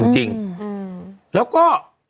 จริงแล้วก็